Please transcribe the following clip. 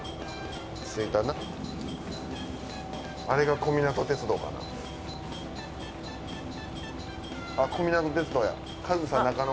あれが小湊鐡道かな？